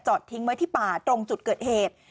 ทิ้งไว้ที่ป่าตรงจุดเกิดเหตุ